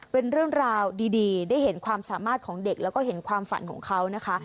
เป็นเรื่องราวดีได้เห็นความสามารถของเด็กแล้วก็เห็นความฝันของเขานะคะ